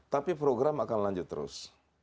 tapi program akan lanjut terus